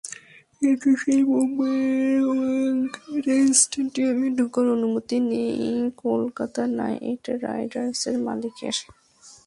কিন্তু সেই মুম্বাইয়েরই ওয়াংখেড়ে স্টেডিয়ামে ঢোকার অনুমতি নেই কলকাতা নাইট রাইডার্সের মালিকের।